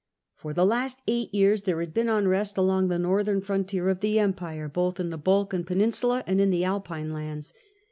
For the last eight years there had been unrest along the northern frontier of the empire, both in the Balkan Peninsula and in the Alpine lands.